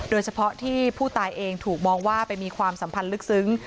โดยเฉพาะที่ผู้ตายเองถูกมองว่าไปมีความสัมพันธ์ลึกซึ้ง